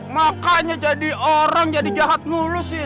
makanya jadi orang jadi jahat mulus sih